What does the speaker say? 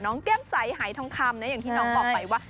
แก้มใสหายทองคำนะอย่างที่น้องบอกไปว่า